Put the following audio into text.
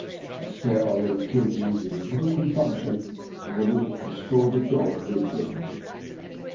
I swear I would have killed you with as little compunction as I would have destroyed a dog who had bitten me."